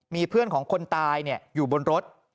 มีเพื่อนของคนตายอยู่บนรถ